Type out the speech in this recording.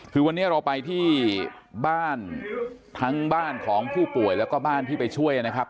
คือวันนี้เราไปที่บ้านทั้งบ้านของผู้ป่วยแล้วก็บ้านที่ไปช่วยนะครับ